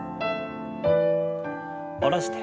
下ろして。